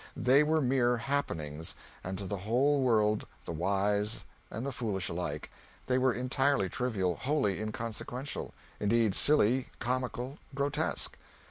They were mere happenings; and to the whole world, the wise and the foolish alike, they were entirely trivial, wholly inconsequential; indeed silly, comical, grotesque.